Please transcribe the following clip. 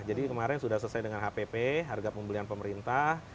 jadi kemarin sudah selesai dengan hpp harga pembelian pemerintah